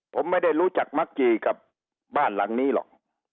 ผมไม่ได้รู้จักมักจีกับบ้านหลังนี้หรอก